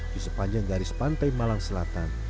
di sepanjang garis pantai malang selatan